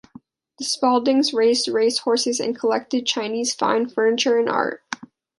The Spaldings raised race horses and collected Chinese fine furniture and art.